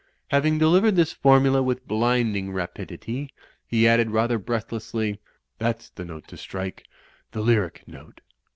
'' Having delivered this formula with blinding rapidity, he added rather breathlessly, ''that's the note to strike, the lyric note."